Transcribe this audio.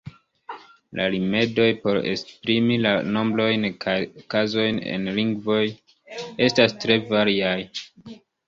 La rimedoj por esprimi la nombrojn kaj kazojn en lingvoj estas tre variaj.